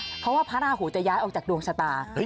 เพราะว่าพระราหูจะย้ายออกจากดวงชะตา